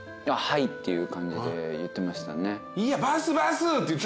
「はい」っていう感じで言ってましたね。